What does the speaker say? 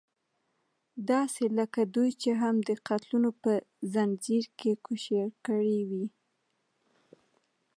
داسې لکه دوی چې هم د قتلونو په ځنځير کې کوشير کړې وي.